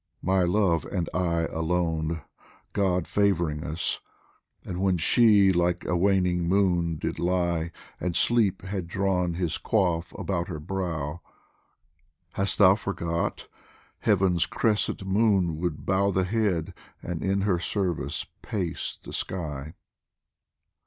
My love and I alone, God favouring us ! And when she like a waning moon did lie, And Sleep had drawn his coif about her brow, Hast thou forgot ? Heaven's crescent moon would bow The head, and in her service pace the sky